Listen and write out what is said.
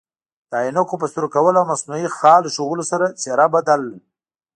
د عینکو په سترګو کول او مصنوعي خال ایښودلو سره څیره بدل